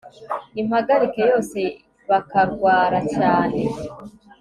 impagarike yose bakarwara cyane